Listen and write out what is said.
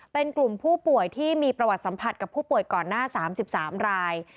เป็นกลุ่มผู้ป่วยที่มีประวัติสัมผัสกับผู้ป่วยก่อนหน้า๓๓ราย